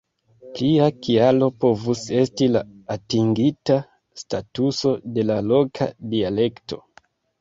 Plia kialo povus esti la atingita statuso de la loka dialekto.